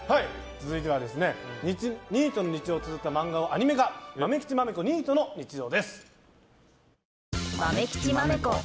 続いてはニートの日常をつづった漫画をアニメ化「まめきちまめこニートの日常」です。